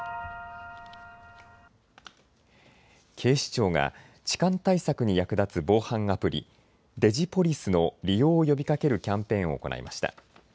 警視庁が痴漢対策に役立つ防犯アプリ、ＤｉｇｉＰｏｌｉｃｅの利用を呼びかけるキャンペーンを行いました。